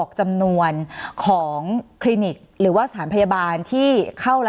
สนับสนุนโดยพี่โพเพี่ยวสะอาดใสไร้คราบ